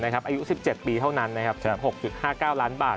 อายุ๑๗ปีเท่านั้น๑๖๕๙ล้านบาท